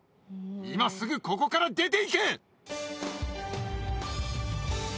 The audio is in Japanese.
今すぐここから出ていけ！